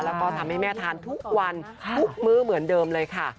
แล้วก็ทำให้แม่ทานทุกวันทุกมื้อเหมือนเดิมเลยค่ะ